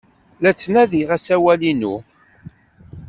La ttnadiɣ asawal-inu.